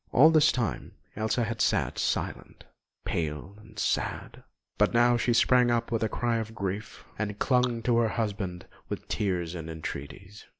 All this time Elsa had sat silent, pale and sad; but now she sprang up with a cry of grief, and clung to her husband with tears and entreaties.